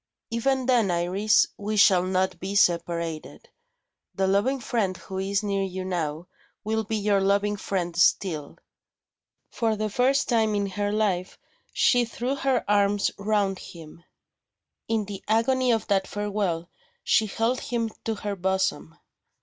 "Even then, Iris, we shall not be separated. The loving friend who is near you now, will be your loving friend still." For the first time in her life, she threw her arms round him. In the agony of that farewell, she held him to her bosom.